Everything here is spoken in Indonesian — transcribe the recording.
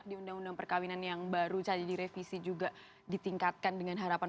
di undang undang perkawinan yang baru tadi direvisi juga ditingkatkan dengan harapan